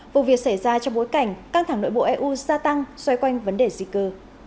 vụ việc xảy ra trong bối cảnh căng thẳng nội bộ eu gia tăng xoay quanh vấn đề di cư